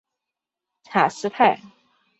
卡斯泰。